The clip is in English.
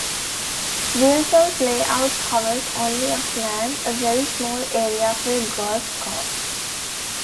Wilson's layout covers only of land, a very small area for a golf course.